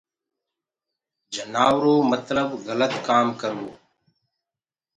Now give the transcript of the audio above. جنآورو متلب گلت ڪآم ڪروو